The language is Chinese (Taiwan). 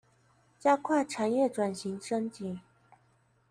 加快產業轉型升級